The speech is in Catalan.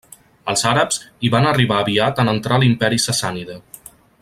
Els àrabs hi van arribar aviat en entrar a l'imperi sassànida.